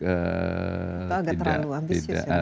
itu agak terlalu ambisius ya